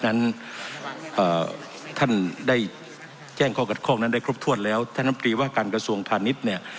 นั้นท่านได้แจ้งข้อขัดข้องนั้นได้ครบถ้วนแล้วท่านน้ำตรีว่าการกระทรวงพาณิชย์เนี่ย